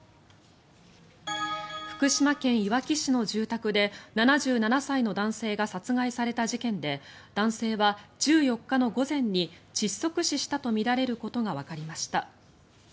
福島県いわき市の住宅で７７歳の男性が殺害された事件で男性は１４日の午前に窒息死したとみられることがわかりました。